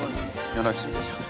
よろしいでしょうか。